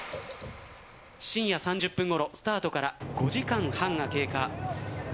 深夜３０分ごろスタートから５時間半が経過。